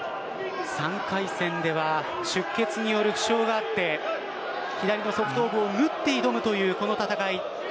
３回戦では出血による負傷があって左の側頭部を縫って挑むというこの戦い。